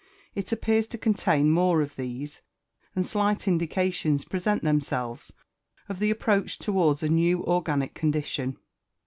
50), it appears to contain more of these, and slight indications present themselves of the approach towards a new organic condition.